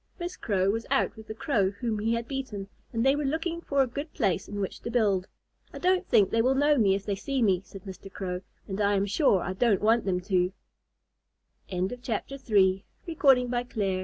Miss Crow was out with the Crow whom he had beaten, and they were looking for a good place in which to build. "I don't think they will know me if they see me," said Mr. Crow, "and I am sure that I don't want them to." THE RED HEADED WOODPECKER CHILDREN Mrs.